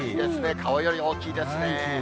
顔より大きいですね。